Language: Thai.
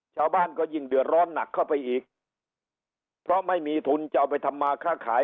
ชาวบ้านก็ยิ่งเดือดร้อนหนักเข้าไปอีกเพราะไม่มีทุนจะเอาไปทำมาค่าขาย